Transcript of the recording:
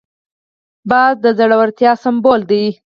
باز د زړورتیا سمبول دی